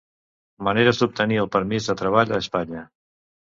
Maneres d'obtenir el permís de treball a Espanya.